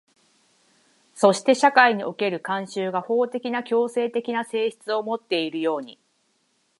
そして社会における慣習が法的な強制的な性質をもっているように、